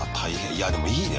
いやでもいいね